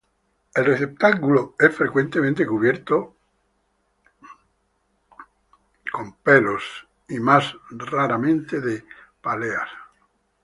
El receptáculo es frecuentemente cubierto o pelos y, más raramente, de páleas.